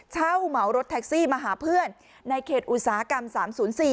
เหมารถแท็กซี่มาหาเพื่อนในเขตอุตสาหกรรม๓๐๔